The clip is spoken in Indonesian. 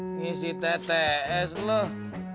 ini si tts loh